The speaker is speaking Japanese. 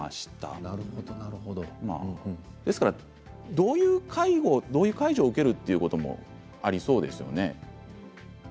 どういう介護どういう介助を受けるかということにもありそうですよね。